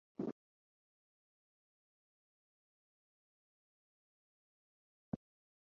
The settlers protested to Political Chief Saucedo.